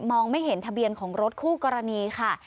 ไม่เห็นทะเบียนของรถคู่กรณีค่ะ